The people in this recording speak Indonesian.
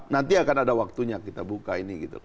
nanti akan ada waktunya kita buka ini gitu